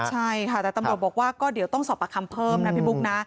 ใช่ค่ะแต่ตำรวจบอกว่าก็เดี๋ยวต้องสอบประคำเพิ่มนะพี่บุ๊คนะ